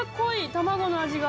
卵の味が。